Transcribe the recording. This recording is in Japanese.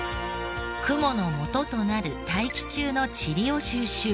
雲のもととなる大気中のチリを収集。